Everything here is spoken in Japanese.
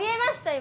今。